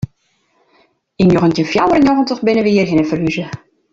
Yn njoggentjin fjouwer en njoggentich binne we hjirhinne ferhûze.